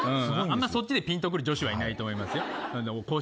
あんまそっちで、ピンとくる女子はいないと思います。